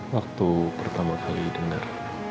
waktu pertama kali dengar